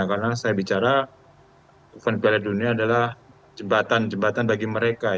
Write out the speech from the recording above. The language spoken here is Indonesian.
karena saya bicara piala dunia adalah jembatan bagi mereka